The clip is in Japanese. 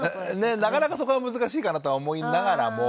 なかなかそこは難しいかなとは思いながらも。